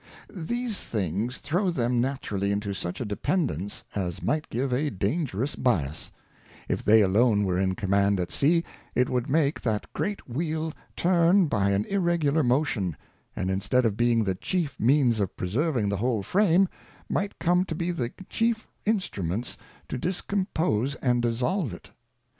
These things throw them naturally into such a dependance as might give a dangerous Biass ; if they alone were in Command at Sea, it would make that great Wheel turn by an irregular Motion, and instead of being the chief means of preserving the whole Frame, might come to be the chief Instruments to dis compose and dissolve it.